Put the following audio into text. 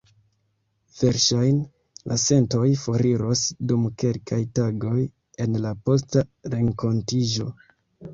Verŝajne la sentoj foriros dum kelkaj tagoj en la posta renkontiĝo.